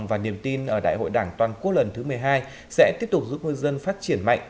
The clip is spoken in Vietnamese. và niềm tin ở đại hội đảng toàn quốc lần thứ một mươi hai sẽ tiếp tục giúp ngư dân phát triển mạnh